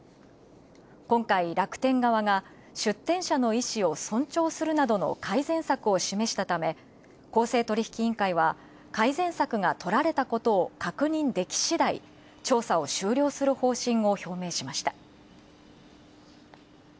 今回、楽天側が出店者の意思を尊重する等の改善策を示したため公正取引委員会は、改善策がとられたことを確認できしだい、調査を終了する方針を表明しました。